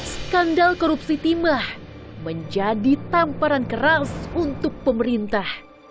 skandal korupsi timah menjadi tamparan keras untuk pemerintah